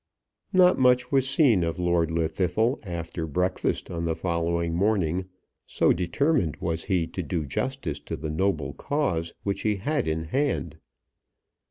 Not much was seen of Lord Llwddythlw after breakfast on the following morning, so determined was he to do justice to the noble cause which he had in hand.